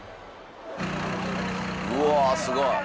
うわすごい。